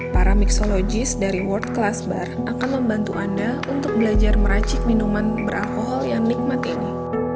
para miksologis dari world classbar akan membantu anda untuk belajar meracik minuman beralkohol yang nikmat ini